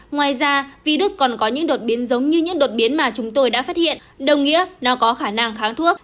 ngoài ra vì đức còn có những đột biến giống như những đột biến mà chúng tôi đã phát hiện đồng nghĩa nó có khả năng kháng thuốc